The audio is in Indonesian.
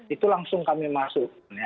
itu langsung kami masuk